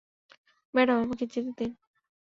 Madam, আমাকে যেতে দিন।